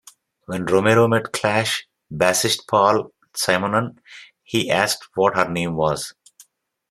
When Romero met Clash bassist Paul Simonon, he asked what her name was.